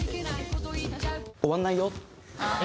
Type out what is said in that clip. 終わらないよ。